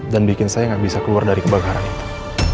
dan bikin saya gak bisa keluar dari kebakaran itu